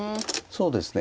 そうですね。